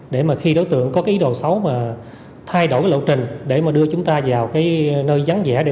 để khi đối tượng có ý đồ xấu thay đổi lộ trình để đưa chúng ta vào nơi gián dẻ